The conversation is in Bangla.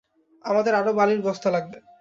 আমাদের আরো বালির বস্তা লাগবে।